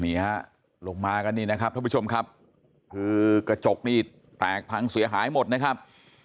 นี่ฮะลงมากันนี่นะครับท่านผู้ชมครับคือกระจกนี่แตกพังเสียหายหมดนะครับ